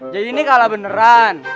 jadi ini kalah beneran